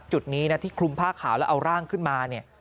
จุดนี้นะที่คลุมผ้าขาวแล้วเอาร่างขึ้นมาเนี่ย